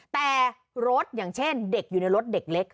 แต่รถอย่างเช่นเด็กอยู่ในรถเด็กเล็ก